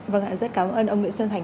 vâng ạ rất cảm ơn ông nguyễn xuân thành